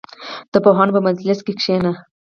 د پوهانو په مجلس کې کښېنئ.